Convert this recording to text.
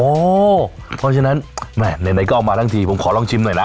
โอ้วคือฉะนั้นเห็นไหมก็เอามาทั้งทีผมขอลองชิมหน่อยนะ